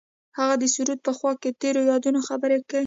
هغوی د سرود په خوا کې تیرو یادونو خبرې کړې.